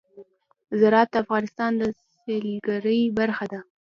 زراعت د افغانستان د سیلګرۍ برخه ده.